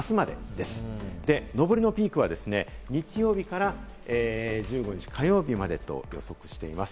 で、上りのピークは日曜日から１５日火曜日までと予測しています。